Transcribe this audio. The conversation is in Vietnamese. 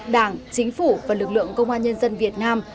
đảng chính phủ và lực lượng công an nhân dân việt nam